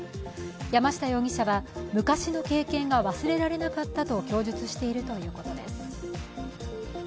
山下容疑者は、昔の経験が忘れられなかったと供述しているということです。